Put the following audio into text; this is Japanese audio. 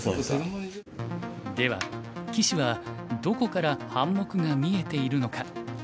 では棋士はどこから半目が見えているのか。